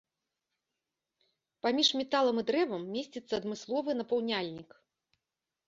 Паміж металам і дрэвам месціцца адмысловы напаўняльнік.